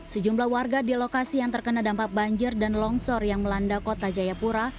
sejumlah warga di lokasi yang terkena dampak banjir dan longsor yang melanda kota jayapura